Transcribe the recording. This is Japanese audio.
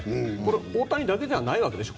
大谷だけじゃないわけでしょ。